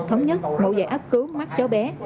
thống nhất mẫu giải áp cứu mắt cháu bé